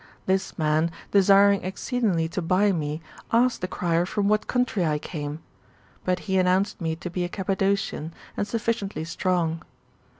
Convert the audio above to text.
This man, desiring exceedingly to buy me, asked the crier from what country I came ? But he announced me to be a Cappadocian, and sufficiently strong.